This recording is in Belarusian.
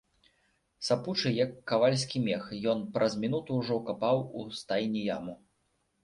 Сапучы, як кавальскі мех, ён праз мінуту ўжо капаў у стайні яму.